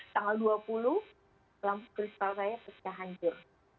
tanggal dua puluh lampu kristal saya pecah hancur